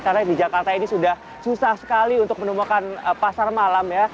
karena di jakarta ini sudah susah sekali untuk menemukan pasar malam ya